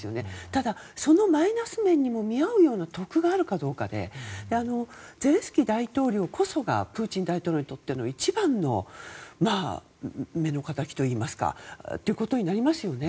ただ、そのマイナス面にも見合うような得があるかどうかでゼレンスキー大統領こそがプーチン大統領にとっての一番の目の敵となりますよね。